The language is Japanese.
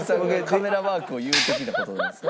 カメラワークを言う時の事じゃないですか？